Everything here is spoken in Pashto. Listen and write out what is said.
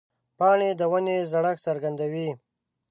پاڼې د ونې زړښت څرګندوي.